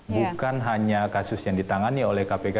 bukan hanya kasus yang ditangani oleh kpk